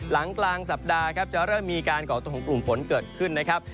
หลังกลางสัปดาห์ครับจะเริ่มมีการก่อตัวของกลุ่มฝนเกิดขึ้นนะครับ